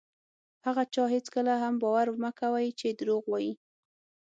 په هغه چا هېڅکله هم باور مه کوئ چې دروغ وایي.